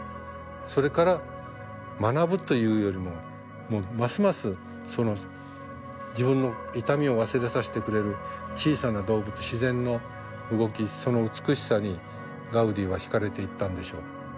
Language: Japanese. それから学ぶというよりももうますますその自分の痛みを忘れさせてくれる小さな動物自然の動きその美しさにガウディは惹かれていったんでしょう。